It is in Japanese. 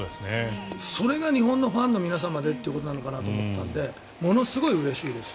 それが日本のファンの皆様の前でということなのかなと思ったのでものすごいうれしいです。